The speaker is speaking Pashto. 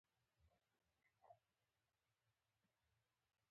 او وغوښتل یې چې هغه د خلکو په مخ کې سپک کړي.